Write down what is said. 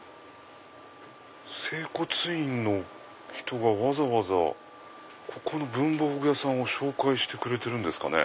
整骨院の人がわざわざここの文房具屋さんを紹介してくれてるんですかね。